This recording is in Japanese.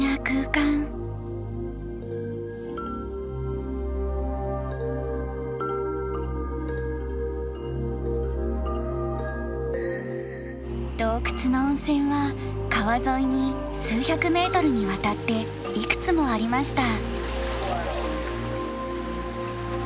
洞窟の温泉は川沿いに数百メートルにわたっていくつもありました。